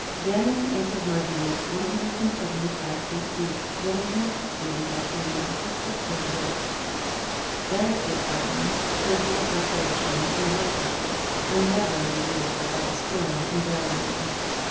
"Damming and submerging it 175 feet deep would enhance its beauty by forming a crystal clear lake." Landscape gardens, places of recreation and worship, are never made beautiful by destroying and burying them.